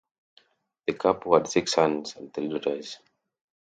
The couple had six sons and three daughters.